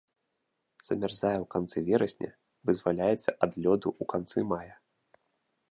Замярзае ў канцы верасня, вызваляецца ад лёду ў канцы мая.